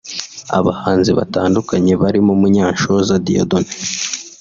Abahanzi batandukanye barimo Munyanshoza Dieudonne